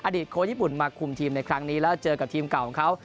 โค้ชญี่ปุ่นมาคุมทีมในครั้งนี้แล้วเจอกับทีมเก่าของเขา